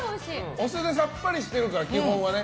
お酢がさっぱりしてるから基本はね。